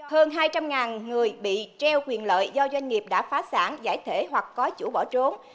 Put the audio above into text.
hơn hai trăm linh người bị treo quyền lợi do doanh nghiệp đã phá sản giải thể hoặc có chủ bỏ trốn